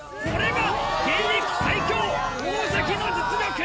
これが現役最強大関の実力！